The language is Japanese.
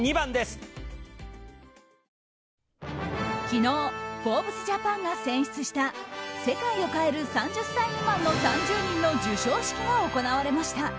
昨日「ＦｏｒｂｅｓＪＡＰＡＮ」が選出した世界を変える３０歳未満の３０人の授賞式が行われました。